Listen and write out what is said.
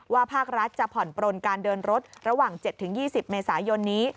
ภาครัฐจะผ่อนปลนการเดินรถระหว่าง๗๒๐เมษายนนี้